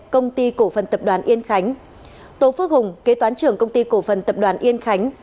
công ty cổ phần tập đoàn yên khánh tố phước hùng kế toán trưởng công ty cổ phần tập đoàn yên khánh